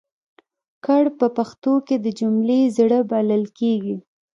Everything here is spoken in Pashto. کړ په پښتو کې د جملې زړه بلل کېږي.